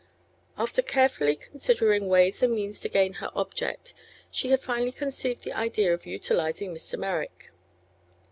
After carefully considering ways and means to gain her object she had finally conceived the idea of utilizing Mr. Merrick.